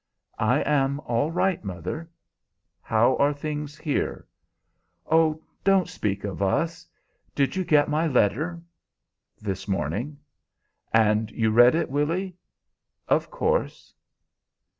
"I am all right, mother. How are things here?" "Oh, don't speak of us! Did you get my letter?" "This morning." "And you read it, Willy?" "Of course."